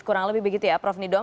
kurang lebih begitu ya prof nidom